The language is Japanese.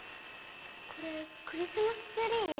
これクリスマスツリー？